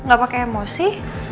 gak pake emosi